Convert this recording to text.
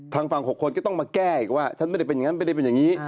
ทางฝั่ง๖คนก็ต้องมาแก้อีกว่าฉันไม่ได้เป็นอย่างนั้นไม่ได้เป็นอย่างนี้